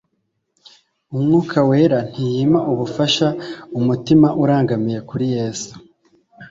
Umwuka Wera ntiyima ubufasha umutima urangamiye kuri Yesu.